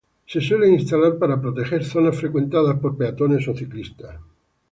Se suelen instalar para proteger zonas frecuentadas por peatones o ciclistas.